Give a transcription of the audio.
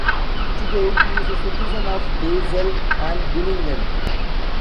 Today, he is a citizen of Basel and Binningen.